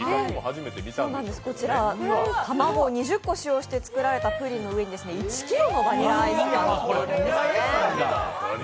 こちら、卵を２０個使用して作られたプリンの上に１ｋｇのバニラアイスがのっているんです。